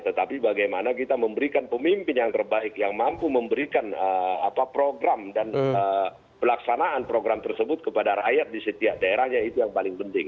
tetapi bagaimana kita memberikan pemimpin yang terbaik yang mampu memberikan program dan pelaksanaan program tersebut kepada rakyat di setiap daerahnya itu yang paling penting